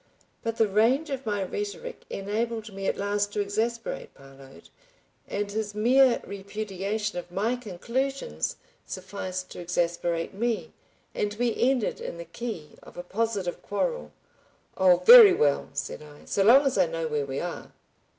But the range of my rhetoric enabled me at last to exasperate Parload, and his mere repudiation of my conclusions sufficed to exasperate me, and we ended in the key of a positive quarrel. "Oh, very well!" said I. "So long as I know where we are!"